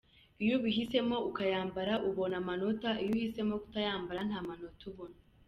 Iyo ubihisemo ukayambara ubona amanota, iyo uhisemo kutayambara nta manota ubona.